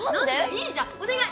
いいじゃんお願い！